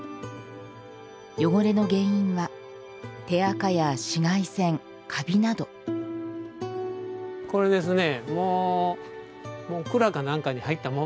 汚れの原因は手あかや紫外線カビなどこれですね。